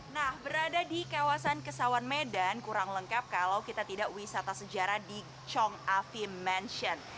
nah berada di kawasan kesawan medan kurang lengkap kalau kita tidak wisata sejarah di chong avi mention